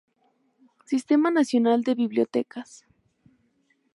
Sistema Nacional de Bibliotecas.